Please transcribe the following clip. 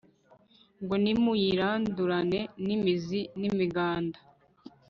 ngo nimuyirandurane n'imizi n'imiganda